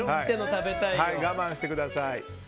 我慢してください。